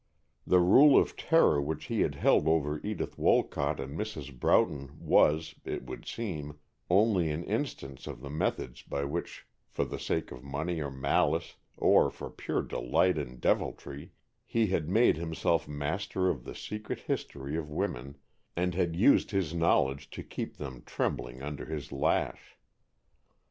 The rule of terror which he had held over Edith Wolcott and Mrs. Broughton was, it would seem, only an instance of the methods by which, for the sake of money or malice or for pure delight in deviltry, he had made himself master of the secret history of women, and had used his knowledge to keep them trembling under his lash.